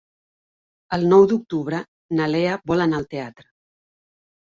El nou d'octubre na Lea vol anar al teatre.